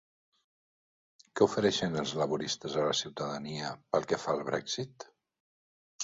Què ofereixen els laboristes a la ciutadania pel que fa al Brexit?